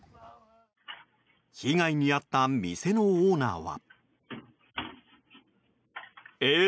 被害に遭った店のオーナーは。